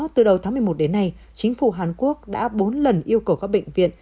từ đầu tháng một mươi một đến nay chính phủ hàn quốc đã bốn lần yêu cầu các bệnh viện